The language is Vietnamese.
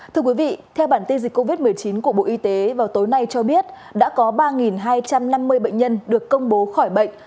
thưa quý vị theo bản tin dịch covid một mươi chín của bộ y tế vào tối nay cho biết đã có ba hai trăm năm mươi bệnh nhân được công bố khỏi bệnh